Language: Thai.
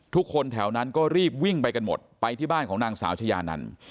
ทุกคนแถวนั้นก็รีบวิ่งไปกันหมดไปที่บ้านของนางสาวชายานัน